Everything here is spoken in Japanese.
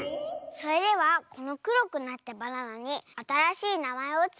それではこのくろくなったバナナにあたらしいなまえをつけて。